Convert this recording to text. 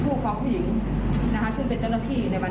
ผู้ปกครองเป็นร้อยนะครับเพราะภาพนี้มันเยอะมาก